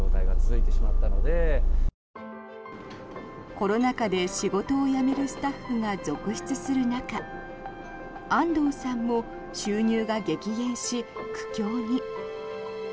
コロナ禍で仕事を辞めるスタッフが続出する中安藤さんも収入が激減し苦境に。